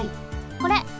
これ。